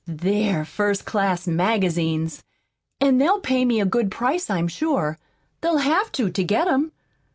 THEY'RE first class magazines, an' they'll pay me a good price, I'm sure. They'll have to, to get 'em!